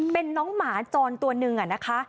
เป็นน้องหมาจรตัวหนึ่งนะคะ